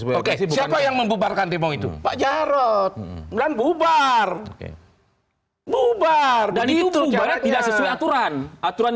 siapa yang membubarkan tim itu pak jarod dan bubar bubar dan itu tidak sesuai aturan aturan